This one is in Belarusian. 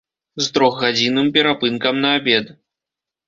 З трохгадзінным перапынкам на абед.